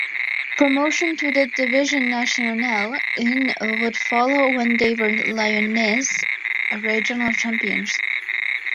Promotion to the Division Nationale in would follow when they were Lyonnaise regional champions.